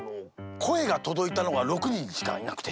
こえがとどいたのが６にんしかいなくて。